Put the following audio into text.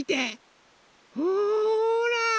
ほら！